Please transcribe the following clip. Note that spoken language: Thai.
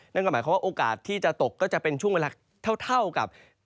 นั่นก็หมายความว่าโอกาสที่จะตกก็จะเป็นช่วงเวลาเท่ากับ